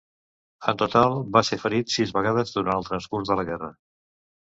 En total, va ser ferit sis vegades durant el transcurs de la guerra.